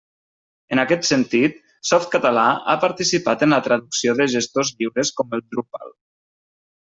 En aquest sentit, Softcatalà ha participat en la traducció de gestors lliures com el Drupal.